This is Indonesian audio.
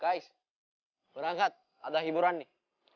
kais berangkat ada hiburan nih